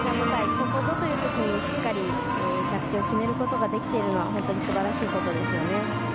ここぞという時にしっかり着地を決めることができているのは本当に素晴らしいことですよね。